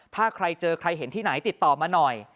ถ้าใครเจอใครเห็นที่ไหนติดต่อมาหน่อย